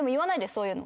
そういうの。